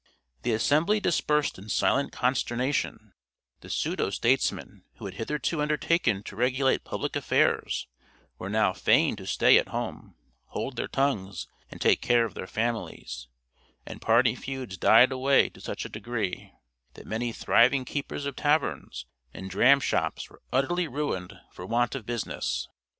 The assembly dispersed in silent consternation: the pseudo statesmen who had hitherto undertaken to regulate public affairs were now fain to stay at home, hold their tongues, and take care of their families; and party feuds died away to such a degree, that many thriving keepers of taverns and dram shops were utterly ruined for want of business.